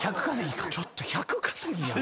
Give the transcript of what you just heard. ちょっと１００稼ぎやん。